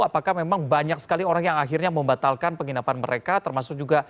apakah memang banyak sekali orang yang akhirnya membatalkan penginapan mereka termasuk juga